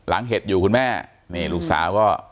เห็ดอยู่คุณแม่นี่ลูกสาวก็